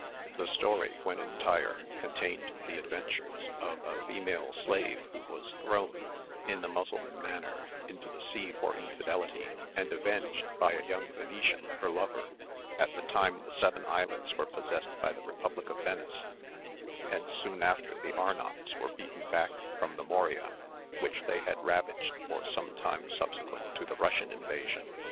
The story, when entire, contained the adventures of a female slave, who was thrown, in the Mussulman manner, into the sea for infidelity, and avenged by a young Venetian, her lover, at the time the Seven Islands were possessed by the Republic of Venice, and soon after the Arnauts were beaten back from the Morea, which they had ravaged for some time subsequent to the Russian invasion.